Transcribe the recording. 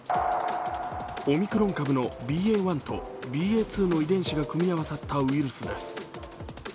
オミクロン株のＢＡ．１とＢＡ．２の遺伝子が組み合わさったウイルスです。